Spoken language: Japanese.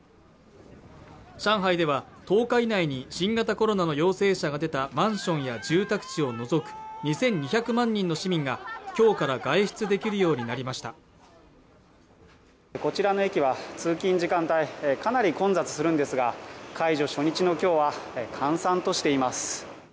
上海では１０日以内に新型コロナの陽性者が出たマンションや住宅地を除く２２００万人の市民が今日から外出できるようになりましたこちらの駅は通勤時間帯かなり混雑するんですが解除初日のきょうは閑散としています